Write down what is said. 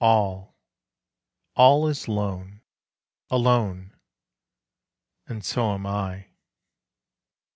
All, all is lone: Alone!... And so am I.